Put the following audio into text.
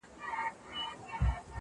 كله وي خپه اكثر_